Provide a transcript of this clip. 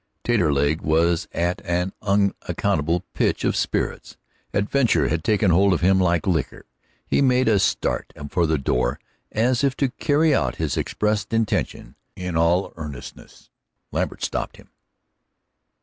Taterleg was at an unaccountable pitch of spirits. Adventure had taken hold of him like liquor. He made a start for the door as if to carry out his expressed intention in all earnestness. Lambert stopped him.